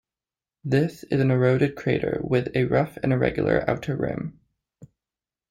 This is an eroded crater with a rough and irregular outer rim.